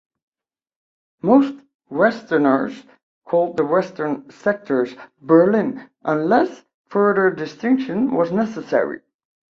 Most Westerners called the Western sectors "Berlin", unless further distinction was necessary.